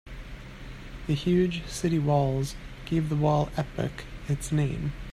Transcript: The huge city walls gave the wall epoch its name.